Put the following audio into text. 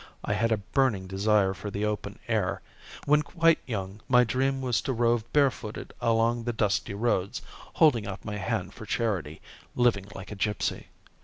I had a burning desire for the open air. When quite young, my dream was to rove barefooted along the dusty roads, holding out my hand for charity, living like a gipsy.